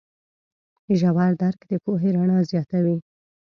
ژور درک د پوهې رڼا زیاتوي.